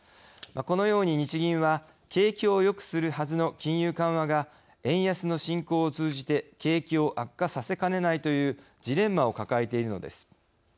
このように、日銀は景気をよくするはずの金融緩和が円安の進行を通じて景気を悪化させかねないというジレンマを抱えているのです。